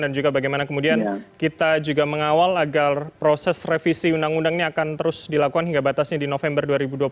dan juga bagaimana kemudian kita juga mengawal agar proses revisi undang undang ini akan terus dilakukan hingga batasnya di november dua ribu dua puluh tiga